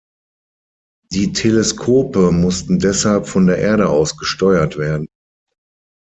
Die Teleskope mussten deshalb von der Erde aus gesteuert werden.